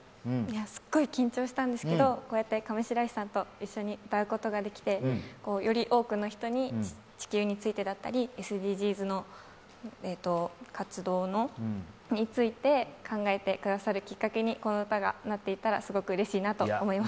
すっごい緊張したんですけれどもこうやって上白石さんと一緒に歌うことができて、より多くの人に地球についてだったり、ＳＤＧｓの活動について考えてくださるきっかけにこの歌がなっていったらすごくうれしいなと思います。